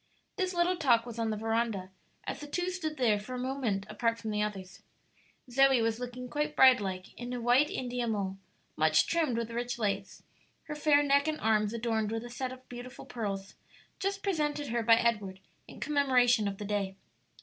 This little talk was on the veranda, as the two stood there for a moment apart from the others. Zoe was looking quite bride like in a white India mull, much trimmed with rich lace, her fair neck and arms adorned with a set of beautiful pearls, just presented her by Edward in commemoration of the day.